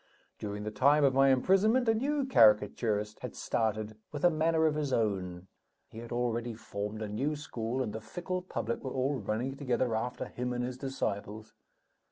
During the time of my imprisonment, a new caricaturist had started, with a manner of his own; he had already formed a new school, and the fickle public were all running together after him and his disciples.